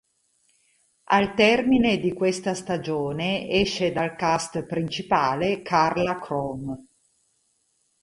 Al termine di questa stagione esce dal cast principale Karla Crome.